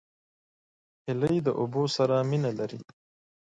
هیلۍ د اوبو سره مینه لري